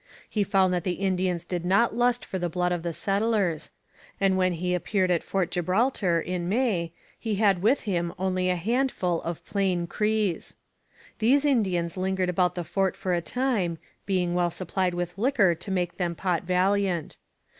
He found that the Indians did not lust for the blood of the settlers; and when he appeared at Fort Gibraltar, in May, he had with him only a handful of Plain Crees. These redskins lingered about the fort for a time, being well supplied with liquor to make them pot valiant.